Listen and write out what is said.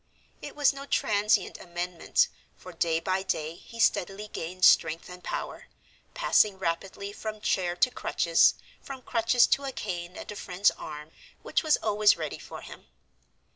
It was no transient amendment, for day by day he steadily gained strength and power, passing rapidly from chair to crutches, from crutches to a cane and a friend's arm, which was always ready for him.